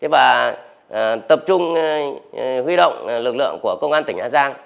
và tập trung huy động lực lượng của công an tỉnh hà giang